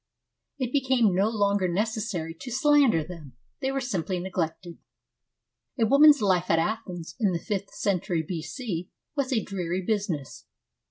It became no longer necessary to slander them ; they were simply neglected. A woman's life at Athens in the fifth century B.C. was a dreary business.